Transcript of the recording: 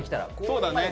そうだね